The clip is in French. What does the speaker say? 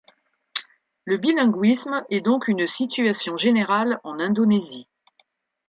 Le bilinguisme est donc une situation générale en Indonésie.